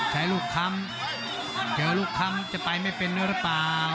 ชัยลูกคำเจอลูกคำจะไปไม่เป็นเลยหรอเปล่า